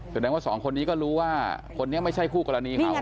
แสดงว่าสองคนนี้ก็รู้ว่าคนนี้ไม่ใช่คู่กรณีเขา